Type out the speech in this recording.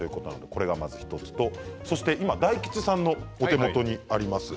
これがまず１つと、そして大吉さんのお手元にあります